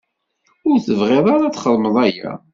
Ur tebɣiḍ ara ad txedmeḍ aya?